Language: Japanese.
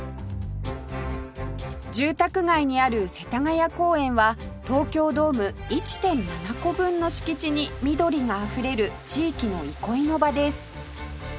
住宅街にある世田谷公園は東京ドーム １．７ 個分の敷地に緑があふれる地域の憩いの場です